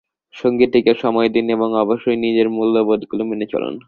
সঙ্গীটিকেও সময় দিন এবং অবশ্যই নিজের মূল্যবোধগুলো মেনে চলুন।